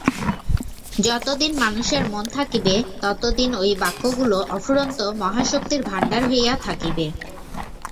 যতদিন মানুষের মন থাকিবে, ততদিন ঐ বাক্যগুলি অফুরন্ত মহাশক্তির ভাণ্ডার হইয়া থাকিবে।